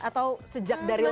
atau sejak dari lahir